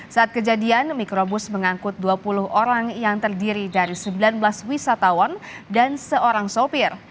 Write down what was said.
saat kejadian mikrobus mengangkut dua puluh orang yang terdiri dari sembilan belas wisatawan dan seorang sopir